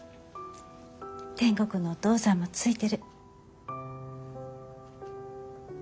天国のお父さんもついてる。